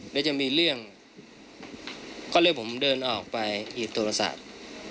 เดี๋ยวจะมีเรื่องก็เลยผมเดินออกไปอีกโทรศัตริย์